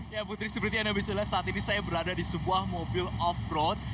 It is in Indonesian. ya putri seperti anda bisa lihat saat ini saya berada di sebuah mobil off road